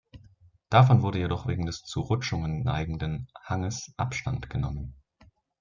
Davon wurde jedoch wegen des zu Rutschungen neigenden Hanges Abstand genommen.